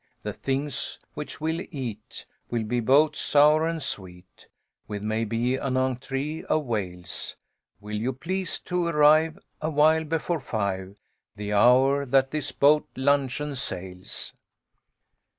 The things which we'll eat Will be boats, sour and sweet, With maybe an entre'e of whales. Will you please to arrive Awhile before five, The hour that this boat luncheon sails.